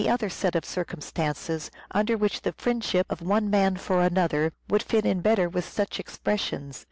other set of circumstances under which the friendship of one man for another would fit in better with such expressions.